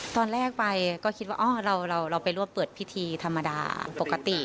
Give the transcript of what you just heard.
ตอนแรกไปก็คิดว่าเราไปรวบเปิดพิธีธรรมดาปกติ